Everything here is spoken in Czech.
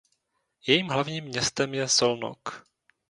Jejím hlavní městem je Szolnok.